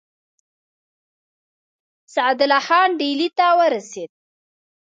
سعدالله خان ډهلي ته ورسېد.